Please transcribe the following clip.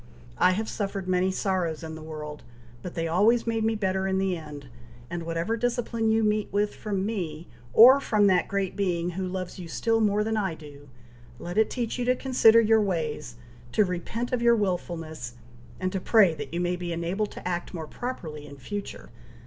I have suffered many sorrows in the world, but they always made me better in the end, and whatever discipline you meet with from me, or from that Great Being who loves you still more than I do, let it teach you to consider your ways, to repent of your wilfulness, and to pray that you may be enabled to act more properly in future."